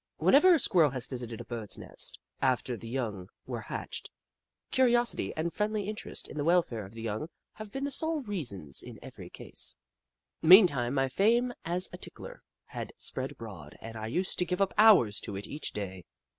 When ever a Squirrel has visited a Bird's nest, after the young were hatched, curiosity and friendly interest in the welfare of the young have been the sole reasons in every case. Meantime, my fame as a tickler had spread abroad, and I used to give up hours to it each day.